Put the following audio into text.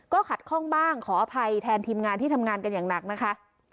ขัดข้องบ้างขออภัยแทนทีมงานที่ทำงานกันอย่างหนักนะคะ